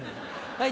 はい。